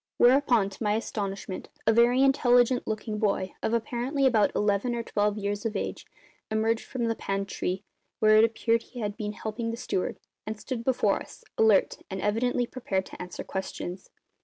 Whereupon, to my astonishment, a very intelligent looking boy, of apparently about eleven or twelve years of age, emerged from the pantry, where it appeared he had been helping the steward, and stood before us, alert and evidently prepared to answer questions.